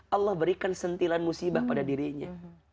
allah berikan sentilan musibah pada dirinya